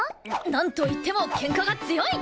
なんといってもケンカが強い！